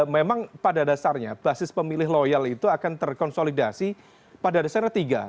memang pada dasarnya basis pemilih loyal itu akan terkonsolidasi pada dasarnya tiga